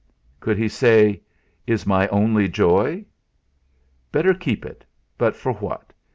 Could he say: "Is my only joy"? Better keep it! But for what?